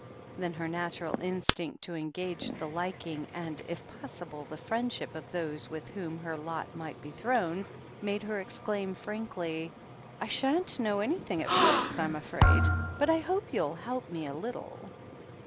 Then her natural instinct to engage the liking, and, if possible, the friendship of those with whom her lot might be thrown, made her exclaim frankly : "I shan't know anything at first, I'm afraid. But I hope you'll help me a little."